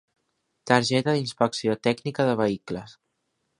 Targeta d'Inspecció Tècnica de Vehicles.